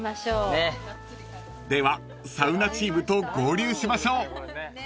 ［ではサウナチームと合流しましょう］